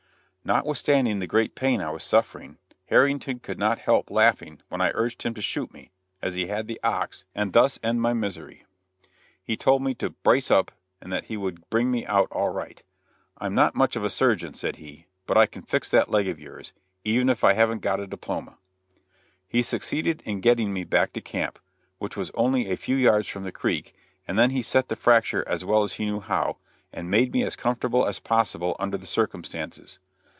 Notwithstanding the great pain I was suffering, Harrington could not help laughing when I urged him to shoot me, as he had the ox, and thus end my misery. He told me to "brace up," and that he would bring me out "all right." "I am not much of a surgeon," said he, "but I can fix that leg of yours, even if I haven't got a diploma." He succeeded in getting me back to camp, which was only a few yards from the creek, and then he set the fracture as well as he knew how, and made me as comfortable as was possible under the circumstances.